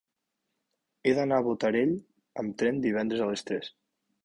He d'anar a Botarell amb tren divendres a les tres.